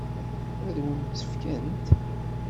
Ad wen-tt-fkent?